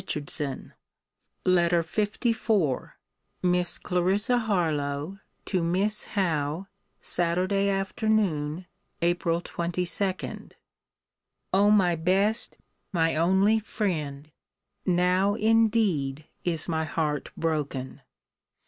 HARLOWE. LETTER LIV MISS CLARISSA HARLOWE, TO MISS HOWE SATURDAY AFTERNOON, APRIL 22. O my best, my only friend! Now indeed is my heart broken!